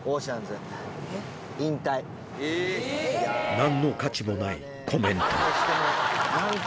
なんの価値もないコメント。